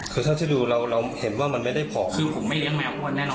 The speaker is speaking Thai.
เป็นเบาหวันเป็นโรคอะไรอีกมันต้องเข้ามาเยอะกว่านั้น